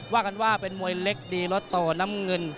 ว่ากันว่าเป็นมวยเล็กดีรถโตน้ำเงิน